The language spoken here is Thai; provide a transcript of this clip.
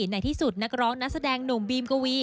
ในที่สุดนักร้องนักแสดงหนุ่มบีมกวี